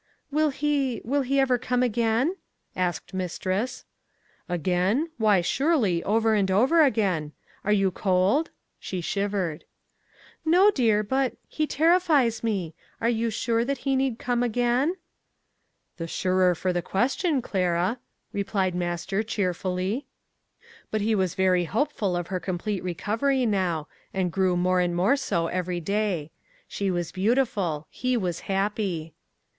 'Will he—will he ever come again?' asked mistress. 'Again? Why, surely, over and over again! Are you cold?' (she shivered). 'No, dear—but—he terrifies me: are you sure that he need come again?' 'The surer for the question, Clara!' replied master, cheerfully. But, he was very hopeful of her complete recovery now, and grew more and more so every day. She was beautiful. He was happy.